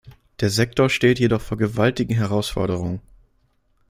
Der Sektor steht jedoch vor gewaltigen Herausforderungen.